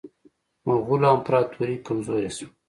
مغولو امپراطوري کمزورې شوه.